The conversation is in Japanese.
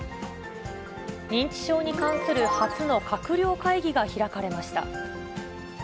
認知症に関する初の閣僚会議が開かれました。